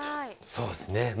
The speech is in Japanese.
そうですね